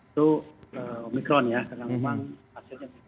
itu omikron ya karena memang hasilnya